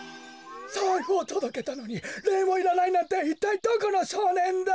さいふをとどけたのにれいもいらないなんていったいどこのしょうねんだ？